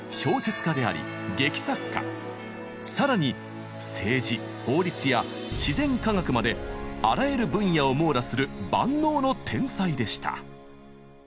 更に政治法律や自然科学まであらゆる分野を網羅する万能の天才でした。